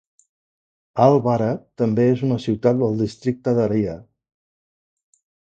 Al-Bara també és una ciutat del districte d'Ariha.